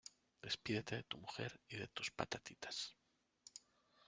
Despídete de tu mujer y de tus patatitas.